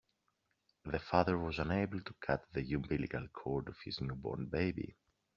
The father was unable to cut the umbilical cord of his newborn baby.